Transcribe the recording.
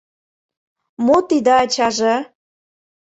Мо тиде, ачаже?